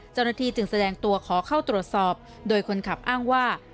เจ้าหน้าที่จึงแสดงตัวขอเข้าตรวจสอบโดยคนขับอ้างว่า